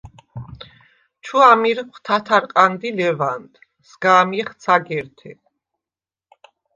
ჩუ ამირმხ თათარყანდ ი ლეუ̂ანდ, სგა̄მჲეხ ცაგერთე.